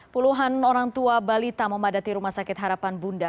puluhan orang tua balita memadati rumah sakit harapan bunda